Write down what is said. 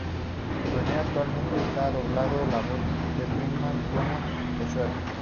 Renee actualmente está doblando la voz de Princesa Fiona, de Shrek.